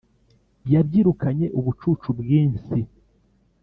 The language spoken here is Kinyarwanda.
yabyirukanye ubucucu bwinsi